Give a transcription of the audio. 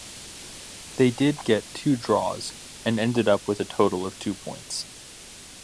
They did get two draws and ended up with a total of two points.